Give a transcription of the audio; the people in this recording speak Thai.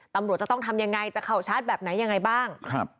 ตำรวจจะต้องทำยังไงจะเข้าชาร์จแบบไหนยังไงบ้าง